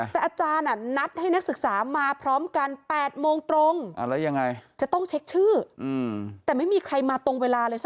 แต่อาจารย์นัดให้นักศึกษามาพร้อมกัน๘โมงตรง